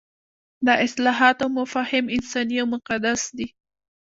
دا اصطلاحات او مفاهیم انساني او مقدس دي.